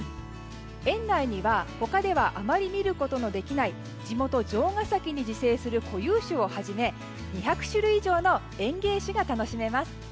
園内には他ではあまり見ることができない地元・城ケ崎に自生する固有種をはじめ２００種類以上の園芸種が楽しめます。